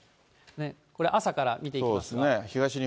これ、朝から見ていきますが。